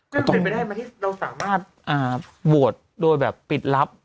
ก็เป็นไปได้ไหมที่เราสามารถโหวตโดยแบบปิดลับ